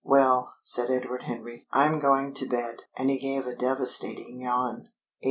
"Well," said Edward Henry, "I'm going to bed." And he gave a devastating yawn. VIII.